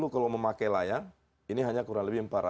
kalau memakai layang ini hanya kurang lebih